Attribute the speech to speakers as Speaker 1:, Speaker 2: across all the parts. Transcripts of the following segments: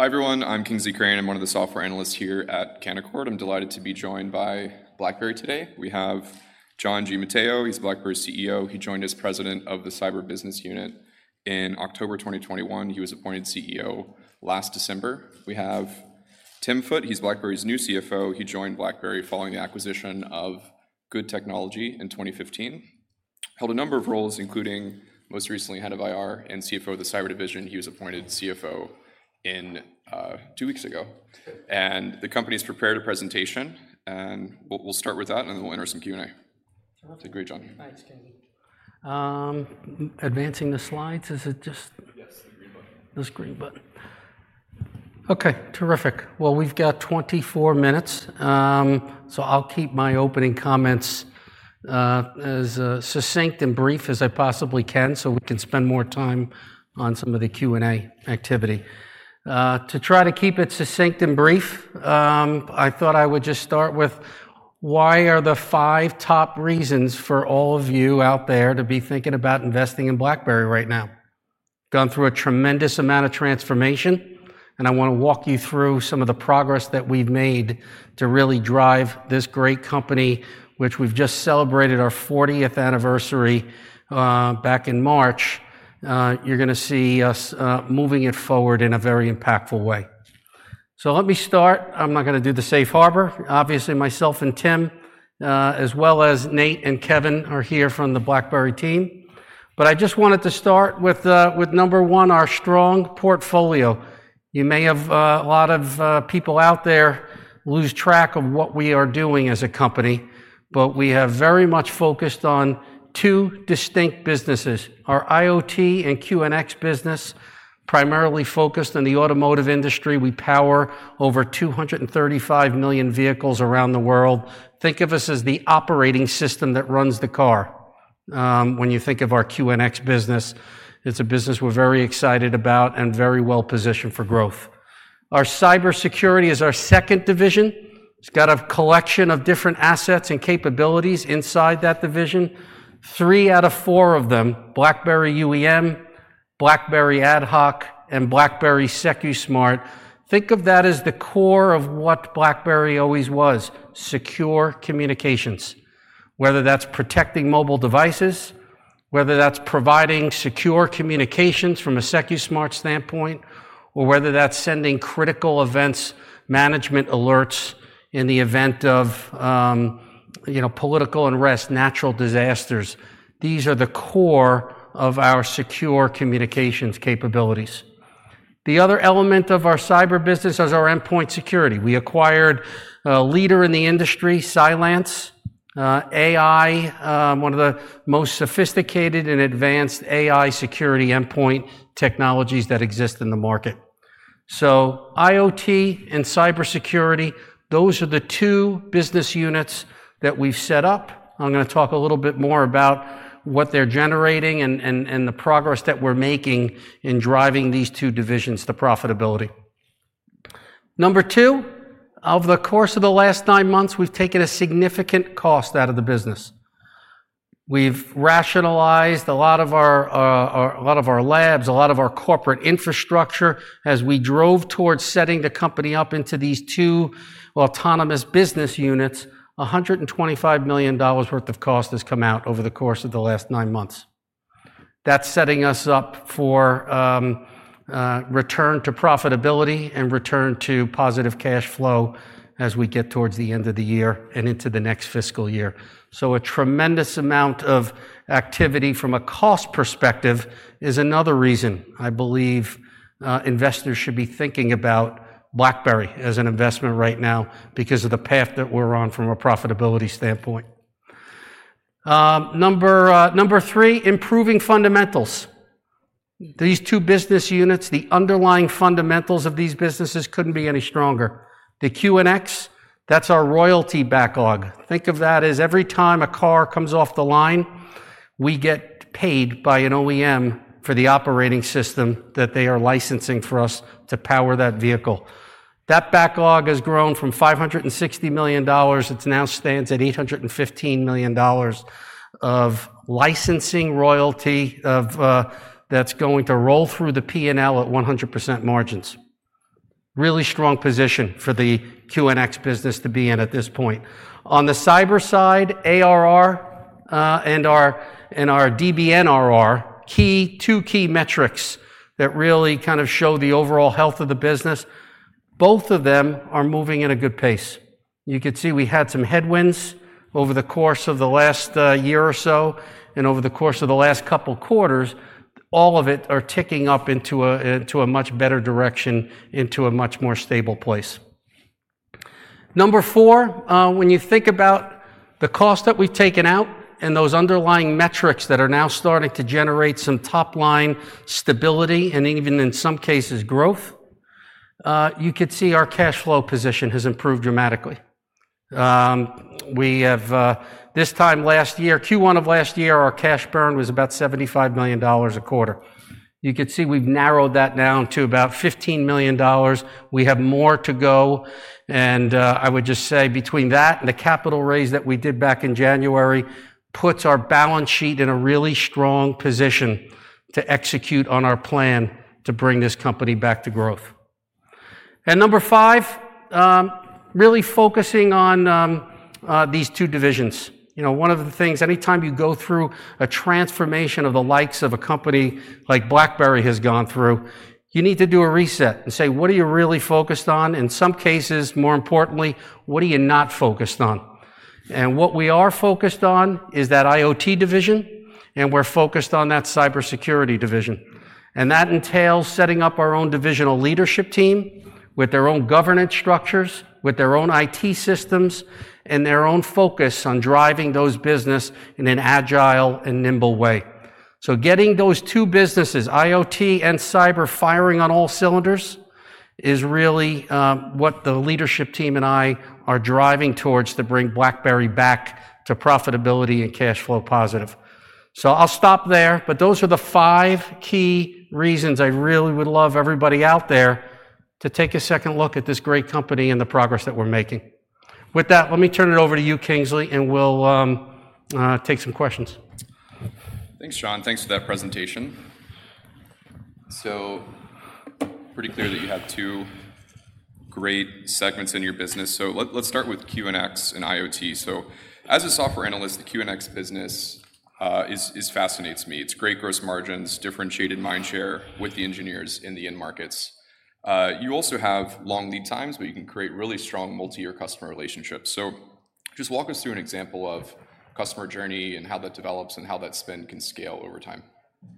Speaker 1: Hi, everyone. I'm Kingsley Crane. I'm one of the software analysts here at Canaccord. I'm delighted to be joined by BlackBerry today. We have John Giamatteo. He's BlackBerry's CEO. He joined as president of the cyber business unit in October 2021. He was appointed CEO last December. We have Tim Foote. He's BlackBerry's new CFO. He joined BlackBerry following the acquisition of Good Technology in 2015, held a number of roles, including most recently, head of IR and CFO of the cyber division. He was appointed CFO in two weeks ago. And the company's prepared a presentation, and we'll, we'll start with that, and then we'll enter some Q&A.
Speaker 2: Perfect.
Speaker 1: Great job.
Speaker 2: Thanks, Kingsley. Advancing the slides, is it just-
Speaker 1: Yes, the green button.
Speaker 2: This green button. Okay, terrific. Well, we've got 24 minutes, so I'll keep my opening comments as succinct and brief as I possibly can, so we can spend more time on some of the Q&A activity. To try to keep it succinct and brief, I thought I would just start with: Why are the five top reasons for all of you out there to be thinking about investing in BlackBerry right now? Gone through a tremendous amount of transformation, and I wanna walk you through some of the progress that we've made to really drive this great company, which we've just celebrated our fortieth anniversary back in March. You're gonna see us moving it forward in a very impactful way. So let me start. I'm not gonna do the safe harbor. Obviously, myself and Tim, as well as Nate and Kevin, are here from the BlackBerry team. But I just wanted to start with number one, our strong portfolio. You may have a lot of people out there lose track of what we are doing as a company, but we have very much focused on two distinct businesses. Our IoT and QNX business, primarily focused on the automotive industry. We power over 235 million vehicles around the world. Think of us as the operating system that runs the car. When you think of our QNX business, it's a business we're very excited about and very well-positioned for growth. Our cybersecurity is our second division. It's got a collection of different assets and capabilities inside that division. Three out of four of them, BlackBerry UEM, BlackBerry AtHoc, and BlackBerry Secusmart. Think of that as the core of what BlackBerry always was, secure communications. Whether that's protecting mobile devices, whether that's providing secure communications from a Secusmart standpoint, or whether that's sending critical events, management alerts in the event of, you know, political unrest, natural disasters, these are the core of our secure communications capabilities. The other element of our cyber business is our endpoint security. We acquired a leader in the industry, Cylance, AI, one of the most sophisticated and advanced AI security endpoint technologies that exist in the market. So IoT and cybersecurity, those are the two business units that we've set up. I'm gonna talk a little bit more about what they're generating and the progress that we're making in driving these two divisions to profitability. Number two, over the course of the last nine months, we've taken a significant cost out of the business. We've rationalized a lot of our labs, a lot of our corporate infrastructure, as we drove towards setting the company up into these two autonomous business units. $125 million worth of cost has come out over the course of the last nine months. That's setting us up for return to profitability and return to positive cash flow as we get towards the end of the year and into the next fiscal year. So a tremendous amount of activity from a cost perspective is another reason I believe investors should be thinking about BlackBerry as an investment right now because of the path that we're on from a profitability standpoint. Number three, improving fundamentals. These two business units, the underlying fundamentals of these businesses couldn't be any stronger. The QNX, that's our royalty backlog. Think of that as every time a car comes off the line, we get paid by an OEM for the operating system that they are licensing for us to power that vehicle. That backlog has grown from $560 million. It now stands at $815 million of licensing royalty of, that's going to roll through the P&L at 100% margins. Really strong position for the QNX business to be in at this point. On the cyber side, ARR, and our, and our DBNRR, key, two key metrics that really kind of show the overall health of the business, both of them are moving at a good pace. You could see we had some headwinds over the course of the last year or so and over the course of the last couple quarters. All of it are ticking up into a much better direction, into a much more stable place. Number four, when you think about the cost that we've taken out and those underlying metrics that are now starting to generate some top-line stability, and even in some cases, growth, you could see our cash flow position has improved dramatically. We have this time last year, Q1 of last year, our cash burn was about $75 million a quarter. You could see we've narrowed that down to about $15 million. We have more to go, and I would just say between that and the capital raise that we did back in January, puts our balance sheet in a really strong position to execute on our plan to bring this company back to growth. And number five, really focusing on these two divisions. You know, one of the things, anytime you go through a transformation of the likes of a company like BlackBerry has gone through, you need to do a reset and say: What are you really focused on? In some cases, more importantly, what are you not focused on? And what we are focused on is that IoT division, and we're focused on that cybersecurity division. And that entails setting up our own divisional leadership team with their own governance structures, with their own IT systems, and their own focus on driving those business in an agile and nimble way. So getting those two businesses, IoT and cyber, firing on all cylinders, is really, what the leadership team and I are driving towards to bring BlackBerry back to profitability and cash flow positive. So I'll stop there, but those are the five key reasons I really would love everybody out there to take a second look at this great company and the progress that we're making. With that, let me turn it over to you, Kingsley, and we'll take some questions.
Speaker 1: Thanks, John. Thanks for that presentation. So pretty clear that you have two great segments in your business. So let's start with QNX and IoT. So as a software analyst, the QNX business is fascinates me. It's great gross margins, differentiated mindshare with the engineers in the end markets. You also have long lead times, but you can create really strong multi-year customer relationships. So just walk us through an example of customer journey and how that develops and how that spend can scale over time.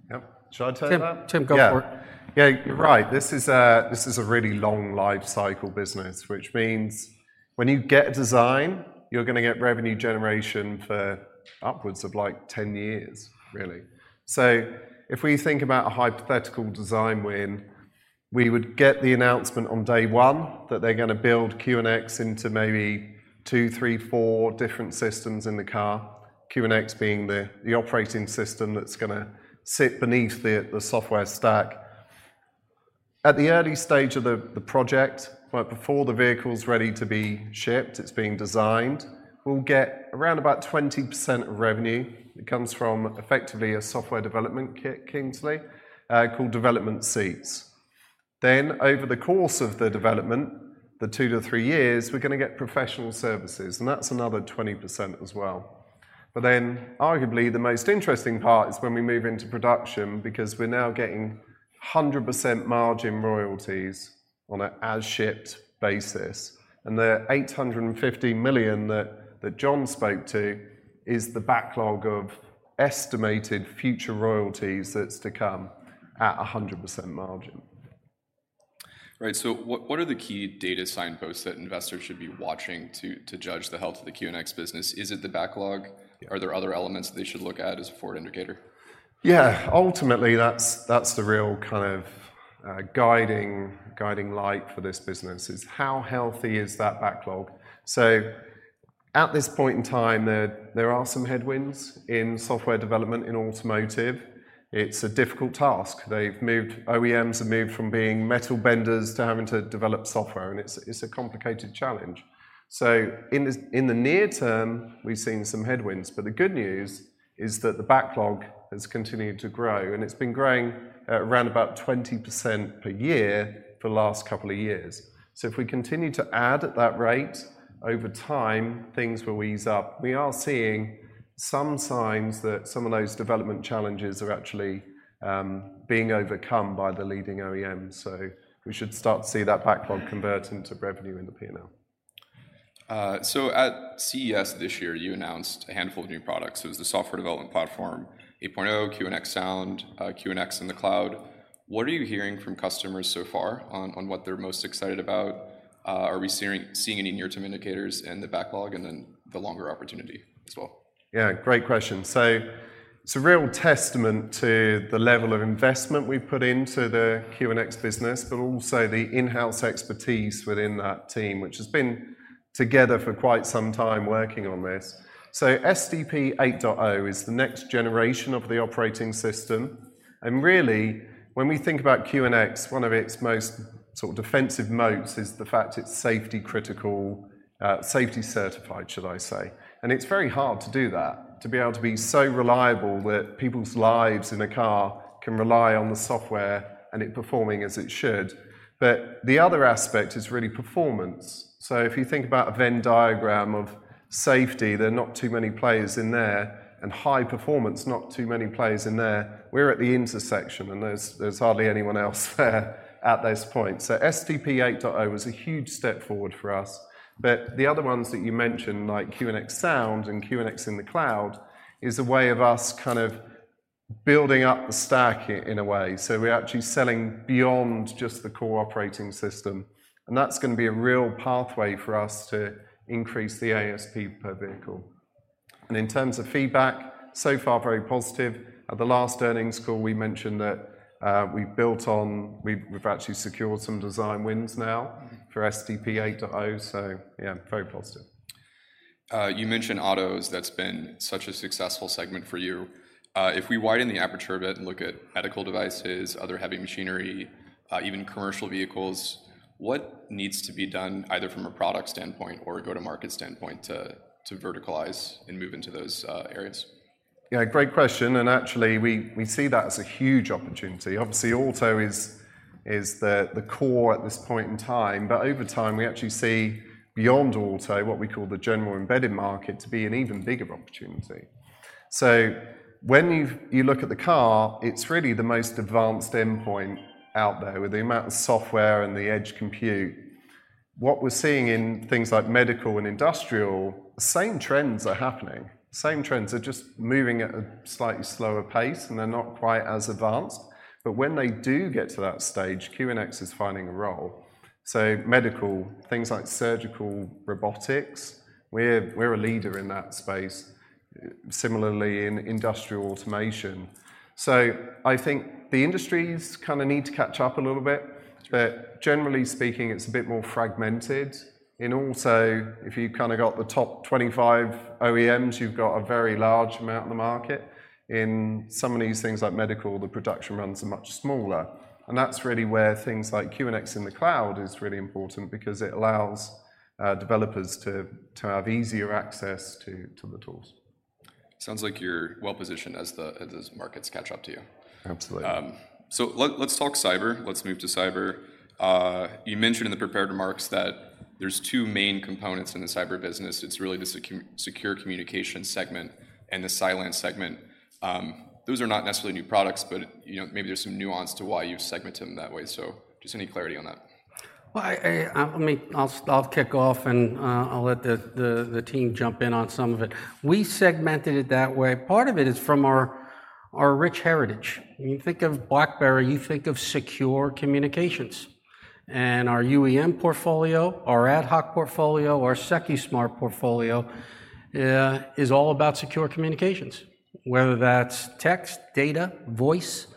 Speaker 3: Yep. Should I tell you that?
Speaker 2: Tim, Tim, go for it.
Speaker 3: Yeah. Yeah, you're right. This is a, this is a really long life cycle business, which means when you get a design, you're gonna get revenue generation for upwards of, like, 10 years, really. So if we think about a hypothetical design win, we would get the announcement on day one that they're gonna build QNX into maybe two, three, four different systems in the car, QNX being the, the operating system that's gonna sit beneath the, the software stack. At the early stage of the, the project, right before the vehicle's ready to be shipped, it's being designed, we'll get around about 20% of revenue. It comes from effectively a software development kit, Kingsley, called development seats. Then, over the course of the development, the two to three years, we're gonna get professional services, and that's another 20% as well. But then, arguably, the most interesting part is when we move into production because we're now getting 100% margin royalties on an as-shipped basis, and the $850 million that John spoke to is the backlog of estimated future royalties that's to come at a 100% margin.
Speaker 1: Right. So what are the key data signposts that investors should be watching to judge the health of the QNX business? Is it the backlog?
Speaker 3: Yeah.
Speaker 1: Are there other elements they should look at as a forward indicator?
Speaker 3: Yeah, ultimately, that's the real kind of guiding light for this business: how healthy is that backlog? So at this point in time, there are some headwinds in software development in automotive. It's a difficult task. They've moved, OEMs have moved from being metal benders to having to develop software, and it's a complicated challenge. So in the near term, we've seen some headwinds, but the good news is that the backlog has continued to grow, and it's been growing at around about 20% per year for the last couple of years. So if we continue to add at that rate, over time, things will ease up. We are seeing some signs that some of those development challenges are actually being overcome by the leading OEMs, so we should start to see that backlog convert into revenue in the P&L.
Speaker 1: So at CES this year, you announced a handful of new products. It was the Software Development Platform, 8.0, QNX Sound, QNX in the Cloud. What are you hearing from customers so far on what they're most excited about? Are we seeing any near-term indicators in the backlog and then the longer opportunity as well?
Speaker 3: Yeah, great question. So it's a real testament to the level of investment we've put into the QNX business, but also the in-house expertise within that team, which has been together for quite some time working on this. So SDP 8.0 is the next generation of the operating system, and really, when we think about QNX, one of its most sort of defensive moats is the fact it's safety critical, safety certified, should I say. And it's very hard to do that, to be able to be so reliable that people's lives in a car can rely on the software and it performing as it should. But the other aspect is really performance. So if you think about a Venn diagram of safety, there are not too many players in there, and high performance, not too many players in there. We're at the intersection, and there's hardly anyone else there at this point. So SDP 8.0 was a huge step forward for us. But the other ones that you mentioned, like QNX Sound and QNX in the Cloud, is a way of us kind of building up the stack in a way. So we're actually selling beyond just the core operating system, and that's gonna be a real pathway for us to increase the ASP per vehicle. And in terms of feedback, so far, very positive. At the last earnings call, we mentioned that we've actually secured some design wins now for SDP 8.0, so yeah, very positive.
Speaker 1: You mentioned autos. That's been such a successful segment for you. If we widen the aperture a bit and look at medical devices, other heavy machinery, even commercial vehicles, what needs to be done, either from a product standpoint or a go-to-market standpoint, to verticalize and move into those areas?...
Speaker 3: Yeah, great question, and actually, we see that as a huge opportunity. Obviously, auto is the core at this point in time, but over time, we actually see beyond auto, what we call the general embedded market, to be an even bigger opportunity. So when you look at the car, it's really the most advanced endpoint out there, with the amount of software and the edge compute. What we're seeing in things like medical and industrial, the same trends are happening. Same trends, they're just moving at a slightly slower pace, and they're not quite as advanced. But when they do get to that stage, QNX is finding a role. So medical, things like surgical robotics, we're a leader in that space. Similarly, in industrial automation. So I think the industries kinda need to catch up a little bit, but generally speaking, it's a bit more fragmented. In auto, if you've kinda got the top 25 OEMs, you've got a very large amount in the market. In some of these things, like medical, the production runs are much smaller, and that's really where things like QNX in the Cloud is really important because it allows developers to have easier access to the tools.
Speaker 1: Sounds like you're well-positioned as those markets catch up to you.
Speaker 3: Absolutely.
Speaker 1: Let's talk cyber. Let's move to cyber. You mentioned in the prepared remarks that there's two main components in the cyber business. It's really the secure communications segment and the Cylance segment. Those are not necessarily new products, but, you know, maybe there's some nuance to why you segment them that way, so just any clarity on that?
Speaker 2: Well, let me. I'll kick off, and I'll let the team jump in on some of it. We segmented it that way. Part of it is from our rich heritage. When you think of BlackBerry, you think of secure communications, and our UEM portfolio, our AtHoc portfolio, our Secusmart portfolio is all about secure communications, whether that's text, data, voice.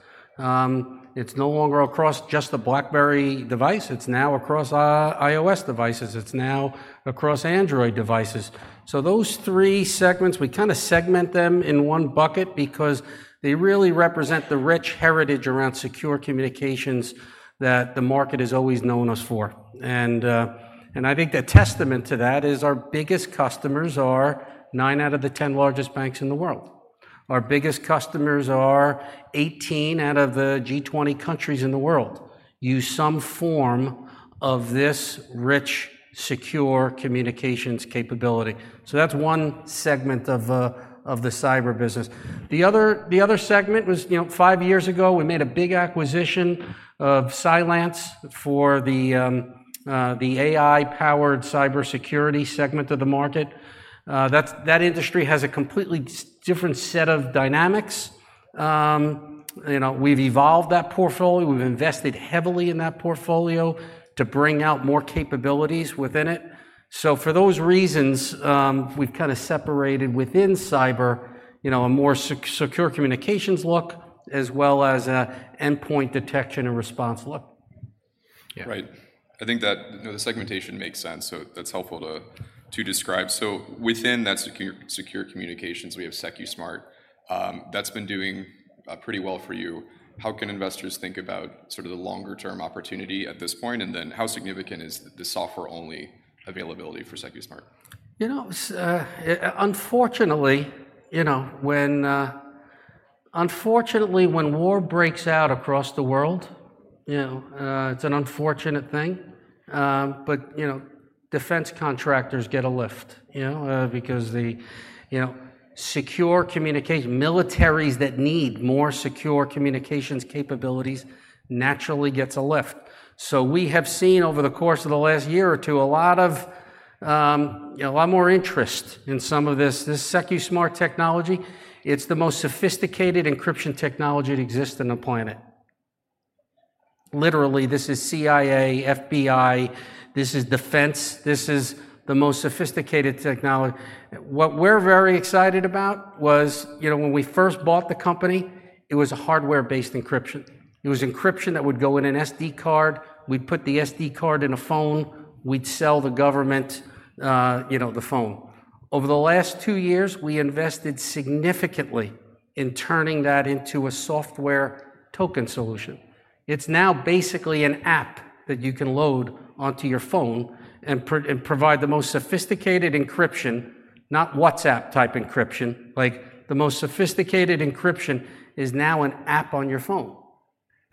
Speaker 2: It's no longer across just the BlackBerry device. It's now across iOS devices. It's now across Android devices. So those three segments, we kinda segment them in one bucket because they really represent the rich heritage around secure communications that the market has always known us for. And I think the testament to that is our biggest customers are nine out of the 10 largest banks in the world. Our biggest customers are 18 out of the G20 countries in the world use some form of this rich, secure communications capability. So that's one segment of the cyber business. The other segment was, you know, five years ago, we made a big acquisition of Cylance for the AI-powered cybersecurity segment of the market. That's, that industry has a completely different set of dynamics. You know, we've evolved that portfolio. We've invested heavily in that portfolio to bring out more capabilities within it. So for those reasons, we've kinda separated within cyber, you know, a more secure communications look, as well as a endpoint detection and response look.
Speaker 3: Yeah.
Speaker 1: Right. I think that, you know, the segmentation makes sense, so that's helpful to, to describe. So within that secure, secure communications, we have Secusmart. That's been doing pretty well for you. How can investors think about sort of the longer-term opportunity at this point, and then how significant is the software-only availability for Secusmart?
Speaker 2: You know, unfortunately, you know, when... Unfortunately, when war breaks out across the world, you know, it's an unfortunate thing, but, you know, defense contractors get a lift, you know? Because the, you know, secure communication, militaries that need more secure communications capabilities naturally gets a lift. So we have seen over the course of the last year or two, a lot of, a lot more interest in some of this. This Secusmart technology, it's the most sophisticated encryption technology that exists on the planet. Literally, this is CIA, FBI, this is defense, this is the most sophisticated technolo-- What we're very excited about was, you know, when we first bought the company, it was a hardware-based encryption. It was encryption that would go in an SD card. We'd put the SD card in a phone. We'd sell the government, you know, the phone. Over the last two years, we invested significantly in turning that into a software token solution. It's now basically an app that you can load onto your phone and provide the most sophisticated encryption, not WhatsApp-type encryption, like, the most sophisticated encryption is now an app on your phone,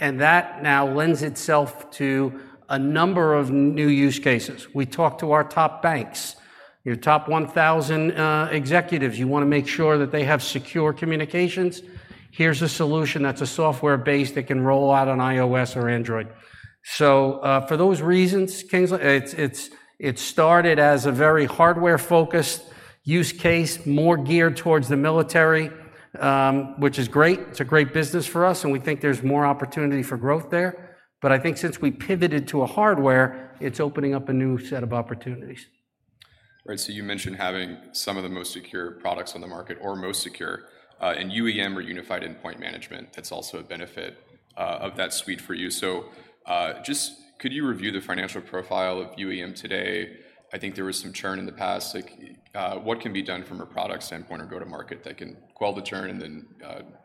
Speaker 2: and that now lends itself to a number of new use cases. We talked to our top banks. Your top 1,000 executives, you wanna make sure that they have secure communications. Here's a solution that's software-based, that can roll out on iOS or Android. So, for those reasons, Kingsley, it started as a very hardware-focused use case, more geared towards the military, which is great. It's a great business for us, and we think there's more opportunity for growth there. But I think since we pivoted to a hardware, it's opening up a new set of opportunities.
Speaker 1: Right. So you mentioned having some of the most secure products on the market or most secure, and UEM or Unified Endpoint Management, that's also a benefit, of that suite for you. So, just could you review the financial profile of UEM today? I think there was some churn in the past. Like, what can be done from a product standpoint or go-to-market that can quell the churn and then,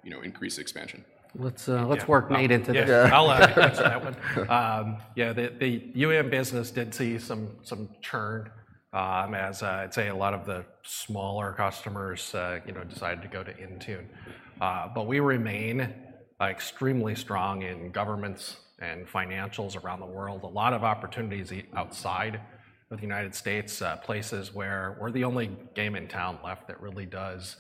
Speaker 1: you know, increase expansion?
Speaker 2: Let's, uh-
Speaker 3: Yeah...
Speaker 2: let's work Nate into this.
Speaker 4: Yes, I'll answer that one. Yeah, the UEM business did see some churn. As I'd say, a lot of the smaller customers, you know, decided to go to Intune. But we remain extremely strong in governments and financials around the world. A lot of opportunities outside of the United States, places where we're the only game in town left that really does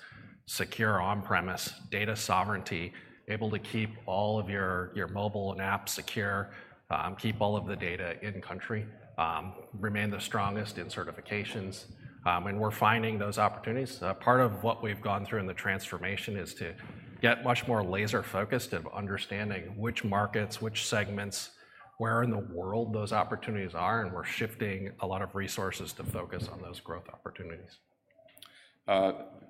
Speaker 4: secure on-premise data sovereignty, able to keep all of your mobile and apps secure, keep all of the data in-country, remain the strongest in certifications. And we're finding those opportunities. Part of what we've gone through in the transformation is to get much more laser-focused of understanding which markets, which segments, where in the world those opportunities are, and we're shifting a lot of resources to focus on those growth opportunities.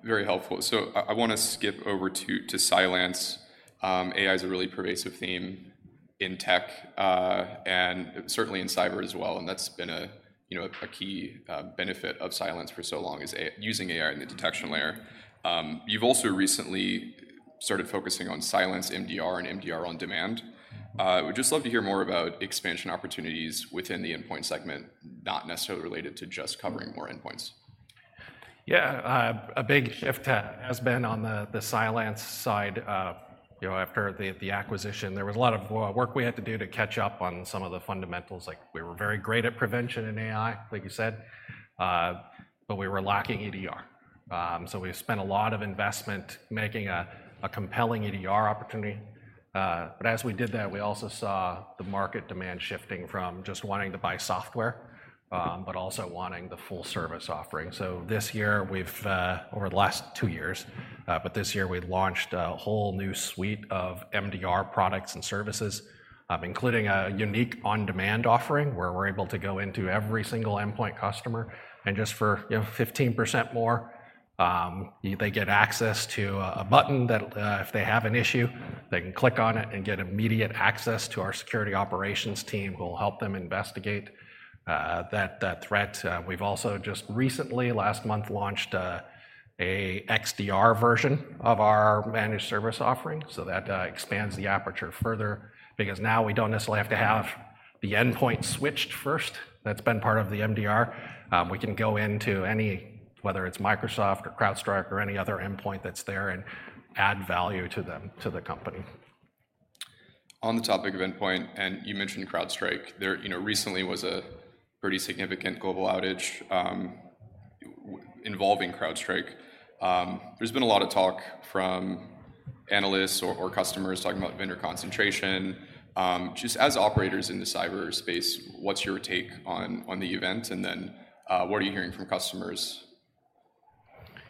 Speaker 1: Very helpful. So I wanna skip over to Cylance. AI is a really pervasive theme in tech, and certainly in cyber as well, and that's been a, you know, a key benefit of Cylance for so long, is using AI in the detection layer. You've also recently started focusing on Cylance MDR and MDR on demand. Would just love to hear more about expansion opportunities within the endpoint segment, not necessarily related to just covering more endpoints.
Speaker 4: Yeah. A big shift has been on the Cylance side. You know, after the acquisition, there was a lot of work we had to do to catch up on some of the fundamentals. Like, we were very great at prevention in AI, like you said, but we were lacking EDR. So we spent a lot of investment making a compelling EDR opportunity. But as we did that, we also saw the market demand shifting from just wanting to buy software, but also wanting the full service offering. So this year, we've... Over the last two years, but this year we launched a whole new suite of MDR products and services, including a unique on-demand offering, where we're able to go into every single endpoint customer, and just for, you know, 15% more, they get access to a button that, if they have an issue, they can click on it and get immediate access to our security operations team, who will help them investigate that threat. We've also just recently, last month, launched a XDR version of our managed service offering, so that expands the aperture further. Because now we don't necessarily have to have the endpoint switched first. That's been part of the MDR. We can go into any, whether it's Microsoft or CrowdStrike or any other endpoint that's there and add value to them, to the company.
Speaker 1: On the topic of endpoint, and you mentioned CrowdStrike. There, you know, recently was a pretty significant global outage involving CrowdStrike. There's been a lot of talk from analysts or customers talking about vendor concentration. Just as operators in cyberspace, what's your take on the event? And then, what are you hearing from customers?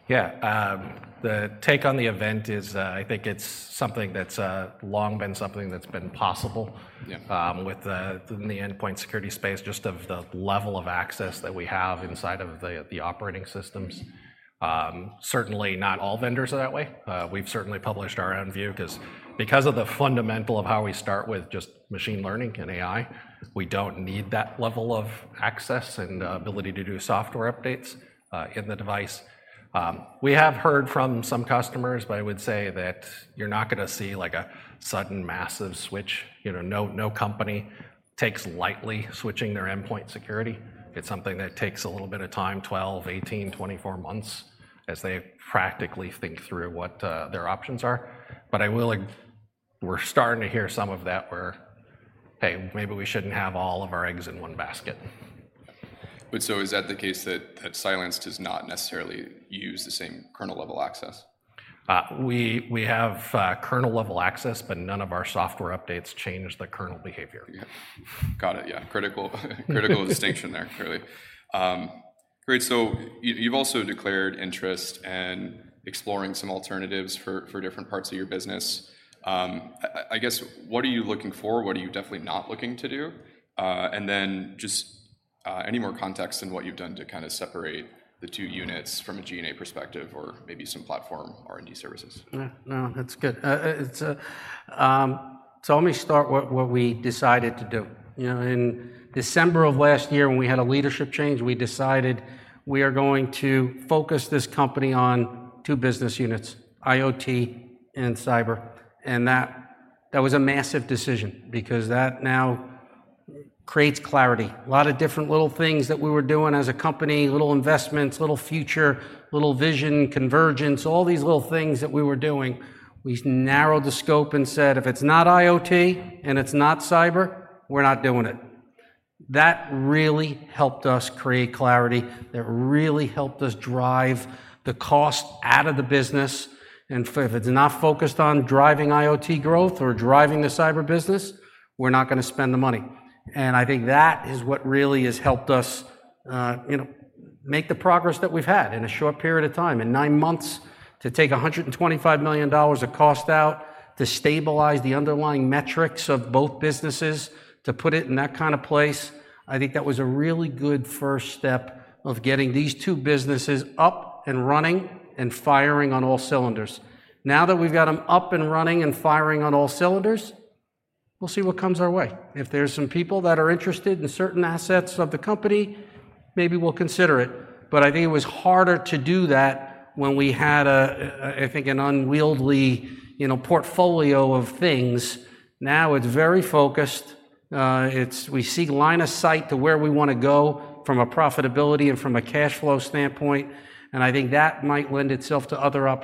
Speaker 4: Yeah. The take on the event is, I think it's something that's long been something that's been possible-
Speaker 1: Yeah...
Speaker 4: with, in the endpoint security space, just of the level of access that we have inside of the operating systems. Certainly not all vendors are that way. We've certainly published our own view, because of the fundamental of how we start with just machine learning and AI, we don't need that level of access and ability to do software updates in the device. We have heard from some customers, but I would say that you're not gonna see, like, a sudden massive switch. You know, no, no company takes lightly switching their endpoint security. It's something that takes a little bit of time, 12, 18, 24 months, as they practically think through what their options are. We're starting to hear some of that, where, "Hey, maybe we shouldn't have all of our eggs in one basket.
Speaker 1: But so is that the case that Cylance does not necessarily use the same kernel-level access?
Speaker 4: We have kernel-level access, but none of our software updates change the kernel behavior.
Speaker 1: Yeah. Got it, yeah. Critical, critical distinction there, clearly. Great, so you've also declared interest in exploring some alternatives for different parts of your business. I guess, what are you looking for? What are you definitely not looking to do? And then just any more context in what you've done to kinda separate the two units from a G&A perspective or maybe some platform R&D services.
Speaker 2: Yeah, no, that's good. So let me start what we decided to do. You know, in December of last year, when we had a leadership change, we decided we are going to focus this company on two business units, IoT and cyber. And that was a massive decision because that now creates clarity. A lot of different little things that we were doing as a company, little investments, little future, little vision, convergence, all these little things that we were doing, we narrowed the scope and said, "If it's not IoT and it's not cyber, we're not doing it." That really helped us create clarity, that really helped us drive the cost out of the business. And if it's not focused on driving IoT growth or driving the cyber business, we're not gonna spend the money. I think that is what really has helped us, you know, make the progress that we've had in a short period of time. In nine months, to take $125 million of cost out, to stabilize the underlying metrics of both businesses, to put it in that kind of place, I think that was a really good first step of getting these two businesses up and running and firing on all cylinders. Now that we've got them up and running and firing on all cylinders, we'll see what comes our way. If there's some people that are interested in certain assets of the company, maybe we'll consider it, but I think it was harder to do that when we had a, I think, an unwieldy, you know, portfolio of things. Now, it's very focused. We see line of sight to where we wanna go from a profitability and from a cash flow standpoint, and I think that might lend itself to other op-